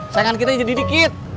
sayangannya kita jadi dikit